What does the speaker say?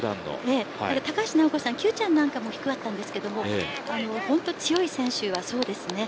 高橋尚子さんなんかも低かったんですが本当に強い選手はそうです。